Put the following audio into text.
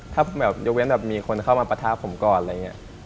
ถ้าแบบยกเว้นแบบมีคนเข้ามาปะทะผมก่อนอะไรอย่างนี้